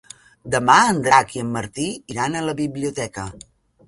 Demà en Drac i en Martí iran a la biblioteca.